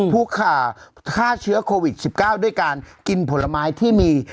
ผู้ขาฆ่าเชื้อโควิด๑๙ด้วยการกินผลไม้ที่มี